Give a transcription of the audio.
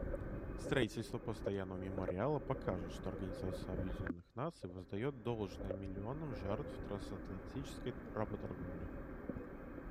Строительство постоянного мемориала покажет, что Организация Объединенных Наций воздает должное миллионам жертв трансатлантической работорговли.